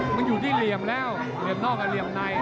มันอยู่ที่เหลี่ยมแล้วเหลี่ยมนอกกับเหลี่ยมใน